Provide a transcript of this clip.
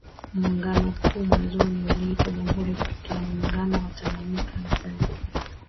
Muungano huo mwanzoni uliitwa Jamhuri ya Muungano wa Tanganyika na Zanzibar